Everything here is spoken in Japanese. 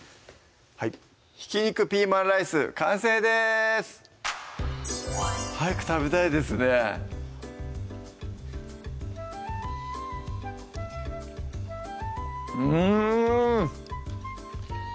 「ひき肉ピーマンライス」完成です早く食べたいですねうん！